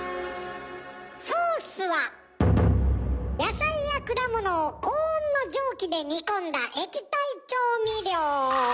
ソースは野菜や果物を高温の蒸気で煮込んだ液体調味料。